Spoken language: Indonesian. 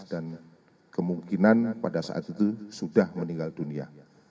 dan kemungkinan pada saat itu sudah meninggal dunia